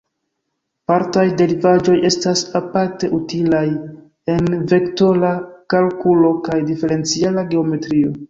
Partaj derivaĵoj estas aparte utilaj en vektora kalkulo kaj diferenciala geometrio.